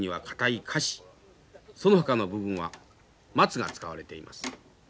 そのほかの部分はマツが使われています。